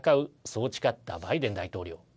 そう誓ったバイデン大統領。